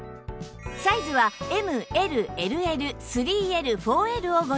サイズは ＭＬＬＬ３Ｌ４Ｌ をご用意